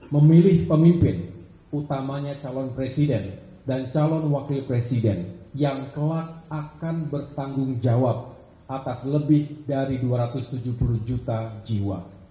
memilih pemimpin utamanya calon presiden dan calon wakil presiden yang kelak akan bertanggung jawab atas lebih dari dua ratus tujuh puluh juta jiwa